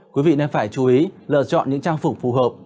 quý vị nên phải chú ý lựa chọn những trang phục phù hợp